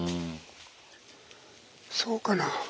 そうかな